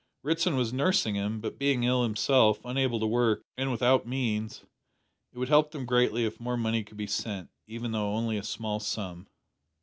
Ritson was nursing him, but, being ill himself, unable to work, and without means, it would help them greatly if some money could be sent even though only a small sum."